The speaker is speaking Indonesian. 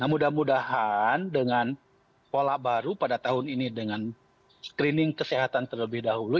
mudah mudahan dengan pola baru pada tahun ini dengan screening kesehatan terlebih dahulu